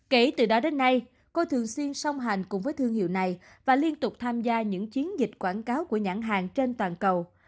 kể từ đó đến nay cô thường xuyên song hành cùng với thương hiệu này và liên tục tham gia những chiến dịch quảng cáo của nhãn hàng trên toàn cầu